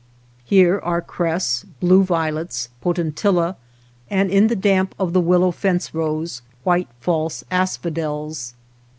Here are cress, blue violets, potentilla, and, in the damp of the willow fence rows, white false asphodels.